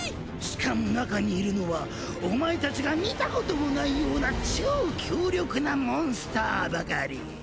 しかも中にいるのはお前たちが見たこともないような超強力なモンスターばかり。